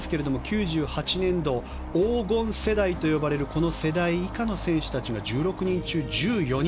９８年度、黄金世代と呼ばれるこの世代以下の選手たちが１６人中１４人。